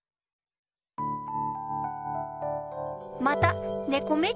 またねこ